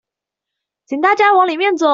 請大家往裡面走